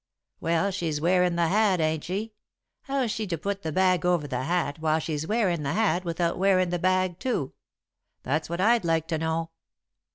"Well, she's wearin' the hat, ain't she? How's she to put the bag over the hat while she's wearin' the hat without wearin' the bag too? That's what I'd like to know."